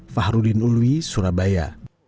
fahrudin uluwi surabaya